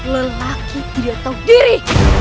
lelaki tidak tahu diri